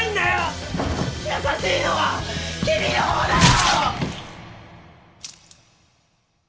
優しいのは君のほうだろ！